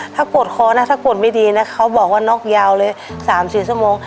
ถ้ากดคอนะถ้ากดไม่ดีนะเขาบอกว่านอกยาวเลยสามสี่ชั่วโมง